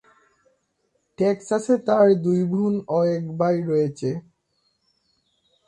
টেক্সাসে তাঁর দুই বোন ও এক ভাই রয়েছে।